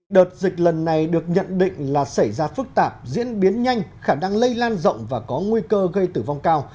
đợt dịch lần này được nhận định là xảy ra phức tạp diễn biến nhanh khả năng lây lan rộng và có nguy cơ gây tử vong cao